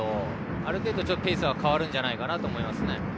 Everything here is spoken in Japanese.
ある程度、ペースは変わるんじゃないかなと思いますね。